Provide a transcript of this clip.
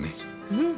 うん。